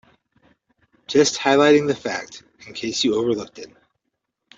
Just highlighting that fact in case you overlooked it.